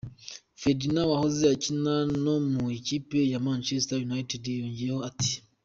Ferdinand wahoze akina no mu ikipe ya Manchester United, yongeyeho ati:.